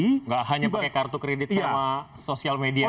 tidak hanya pakai kartu kredit sama sosial media